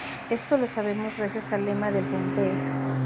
Esto lo sabemos gracias al lema del bombeo.